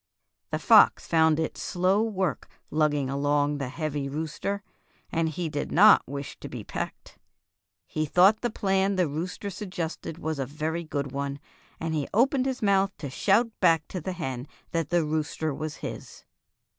" The fox found it slow work lugging along the heavy rooster, and he did not wish to be pecked. He thought the plan the rooster suggested was a very good one, and he opened his mouth to shout back to the hen that the rooster was his.